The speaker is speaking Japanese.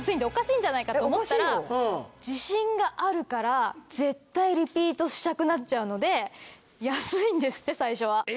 おかしいんじゃないかと思ったら自信があるから絶対リピートしたくなっちゃうので安いんですって最初は。